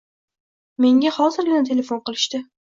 Menga hozirgina telefon qilishdi.